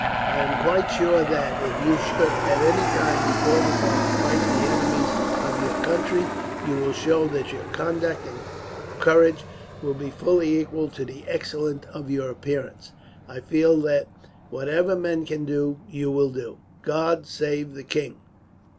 I am quite sure that, if you should at any time be called upon to fight the enemies of your country, you will show that your conduct and courage will be fully equal to the excellence of your appearance. I feel that whatever men can do you will do. "God save the king!"